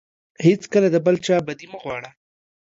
هیڅکله د بل چا بدي مه غواړه.